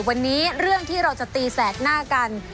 วันนี้เรื่องที่เราจะตีแสกหน้ากัน